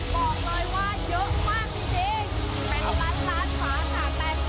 บอกเลยว่าเยอะมากจริง